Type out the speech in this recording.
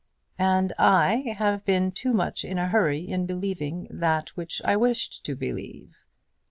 "And I have been too much in a hurry in believing that which I wished to believe."